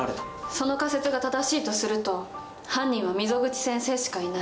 その仮説が正しいとすると犯人は溝口先生しかいない。